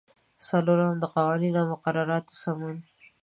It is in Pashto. څلورم: د قوانینو او مقرراتو سمون.